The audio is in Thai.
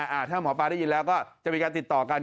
ถ้าหมอปลาได้ยินแล้วก็จะมีการติดต่อกัน